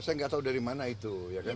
saya gak tau dari mana itu